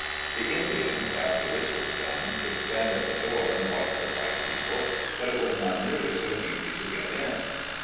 The Indians, after this was done, could stand at the door and watch the white people, but it was not nearly so easy to get in.